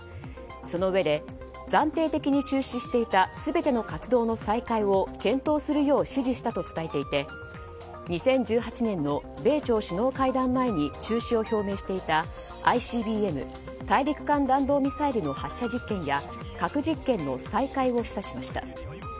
そのうえで暫定的に中止していた全ての活動の再開を検討するよう指示したと伝えていて２０１８年の米朝首脳会談前に中止を表明していたＩＣＢＭ・大陸間弾道ミサイルの発射実験や核実験の再開を示唆しました。